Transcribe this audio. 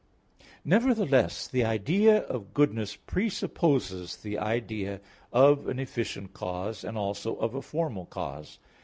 Nevertheless, the idea of goodness presupposes the idea of an efficient cause, and also of a formal cause.